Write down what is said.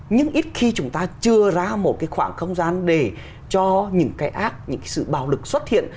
nhưng ít khi chúng ta chưa ra một cái khoảng không gian để cho những cái ác những cái sự bạo lực xuất hiện